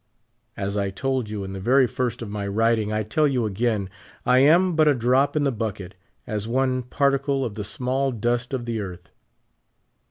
As I told you in the very first of my writing, I tell you again, I am but as a drop in the bucket — as one particle of the small dust of the earth.